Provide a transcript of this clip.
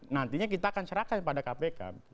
nantinya kita akan serahkan pada kpk